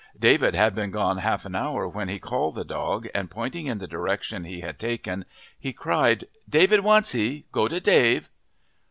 David had been gone half an hour when he called the dog, and pointing in the direction he had taken he cried, "Dave wants 'ee go to Dave."